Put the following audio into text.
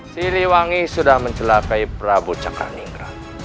siliwangi sudah mencelakai prabu cakarningrat